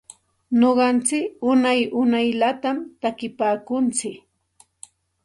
Nuqantsik unay unayllatam takinpaakuntsik.